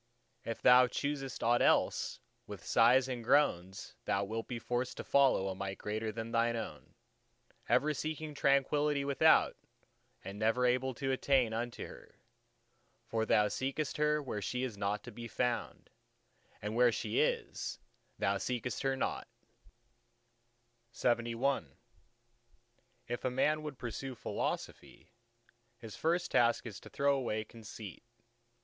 If thou choosest aught else, with sighs and groans thou wilt be forced to follow a Might greater than thine own, ever seeking Tranquillity without, and never able to attain unto her. For thou seekest her where she is not to be found; and where she is, there thou seekest her not! LXXII If a man would pursue Philosophy, his first task is to throw away conceit.